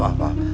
aduh maaf pak